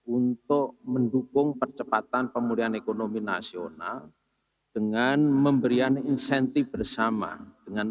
untuk mendukung percepatan pemulihan ekonomi nasional dengan memberikan insentif bersama dengan